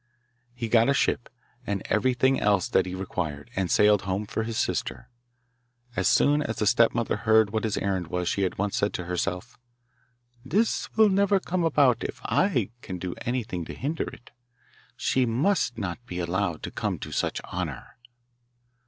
He got a ship, and everything else that he required, and sailed home for his sister. As soon as the stepmother heard what his errand was she at once said to herself, 'This will never come about if I can do anything to hinder it. She must not be allowed to come to such honour.